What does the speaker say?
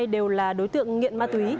điều là đối tượng nghiện ma túy